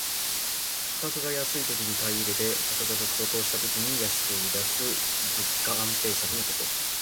価格が安いときに買い入れて、物価が高騰した時に安く売りだす物価安定策のこと。